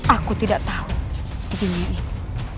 aku tidak tahu di dunia ini